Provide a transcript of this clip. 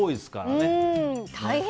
大変。